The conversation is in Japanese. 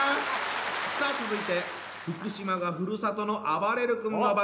さあ続いて福島がふるさとのあばれる君の番でございます。